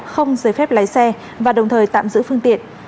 không giấy phép lái xe và đồng thời tạm giữ phương tiện